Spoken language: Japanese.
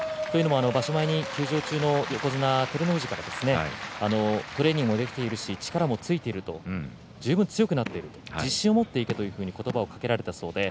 場所前に休場中の横綱照ノ富士からトレーニングもできているし力もついてきている十分強くなっている自信を持っていけという言葉をかけられたそうです。